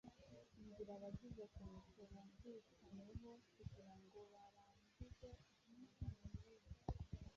Inzira abagize Komite bumvikanyeho kugira ngo barangize inshingano ni iyi